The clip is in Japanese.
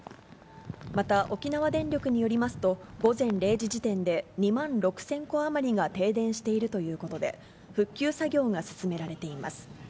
また、沖縄電力によりますと、午前０時時点で２万６０００戸余りが停電しているということで、復旧作業が進められています。